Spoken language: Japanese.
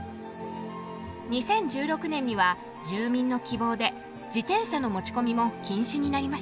２０１６年には住民の希望で自転車の持ち込みも禁止になりました。